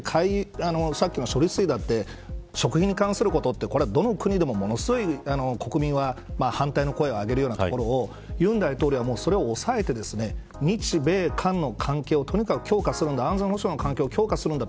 さっきの処理水だって食品に関することはどの国でもものすごい国民は反対の声を上げるようなところを尹大統領は、それを抑えて日米韓の関係をとにかく強化するんだ安全保障の環境を強化するんだ。